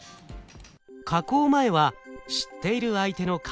加工前は知っている相手の顔。